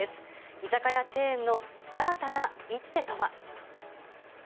居酒屋チェーンの新たな一手とは。